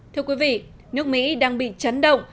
thưa quý vị nước mỹ đang bị chấn động